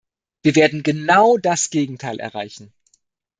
Wir werden genau das Gegenteil erreichen.